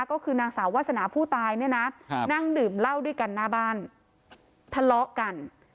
ก็คือนางสาววาสนาผู้ตายเนี่ยนะนั่งดื่มเหล้าด้วยกันหน้าบ้านทะเลาะกัน